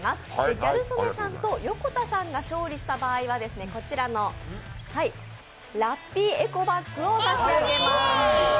ギャル曽根さんと横田さんが勝利した場合はこちらのラッピーエコバッグを差し上げます。